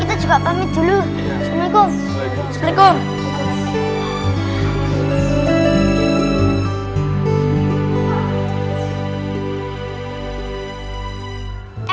kita juga pamit dulu assalamualaikum waalaikumsalam